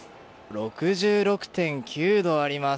６６．９度あります。